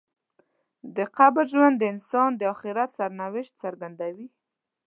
د قبر ژوند د انسان د آخرت سرنوشت څرګندوي.